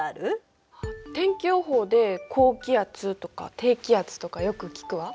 天気予報で「高気圧」とか「低気圧」とかよく聞くわ。